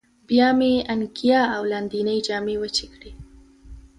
بیا مې انګیا او لاندینۍ جامې وچې کړې.